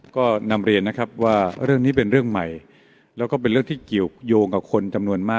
ก็นำเรียนนะครับว่าเรื่องนี้เป็นเรื่องใหม่แล้วก็เป็นเรื่องที่เกี่ยวยงกับคนจำนวนมาก